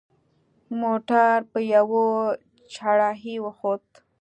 موټر په یوه چړهایي وخوت.